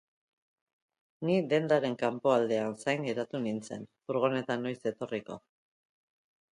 Ni dendaren kanpoaldean zain geratu nintzen, furgoneta noiz etorriko.